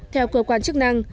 theo cơ quan chức năng